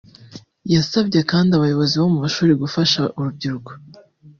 yasabye kandi abayobozi bo mu mashuri gufasha uru rubyiruko